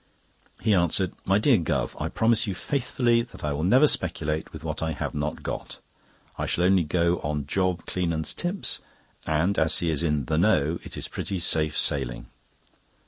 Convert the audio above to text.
He answered: "My dear Guv., I promise you faithfully that I will never speculate with what I have not got. I shall only go on Job Cleanands' tips, and as he is in the 'know' it is pretty safe sailing."